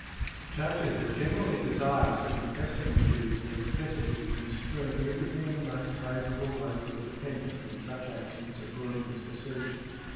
Judges are generally desirous of impressing on juries the necessity of construing everything in the most favourable way for the defendant, when such actions are brought against a surgeon.